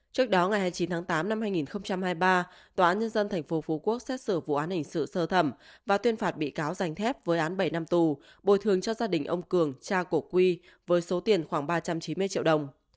trước đó ngày hai mươi chín tháng tám năm hai nghìn hai mươi ba tòa án nhân dân tp phú quốc xét xử vụ án hình sự sơ thẩm và tuyên phạt bị cáo dành thép với án bảy năm tù bồi thường cho gia đình ông cường cha của quy với số tiền khoảng ba trăm chín mươi triệu đồng